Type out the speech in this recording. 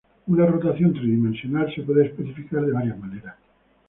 Una rotación tridimensional se puede especificar de varias maneras.